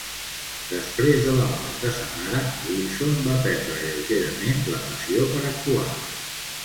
Després de la mort de sa mare, Wilson va perdre lleugerament la passió per actuar.